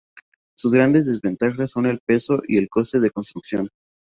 Sus grandes desventajas son el peso y el coste de construcción.